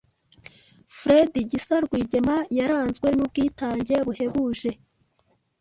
Fred Gisa Rwigema yaranzwe n’ubwitange buhebuje